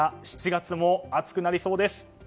７月も暑くなりそうです。